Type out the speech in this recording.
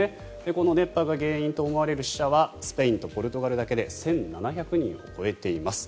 この熱波が原因と思われる死者はスペインとポルトガルだけで１７００人を超えています。